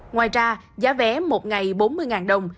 ngoài ra giá vé một ngày bốn mươi đồng